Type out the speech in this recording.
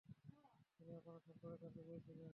তিনি আপনার সম্পর্কে জানতে চেয়েছিলেন।